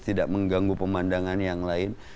tidak mengganggu pemandangan yang lain